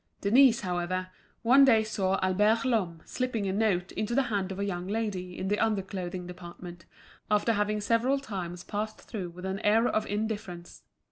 Denise, however, one day saw Albert Lhomme slipping a note into the hand of a young lady in the underclothing department, after having several times passed through with an air of indifference.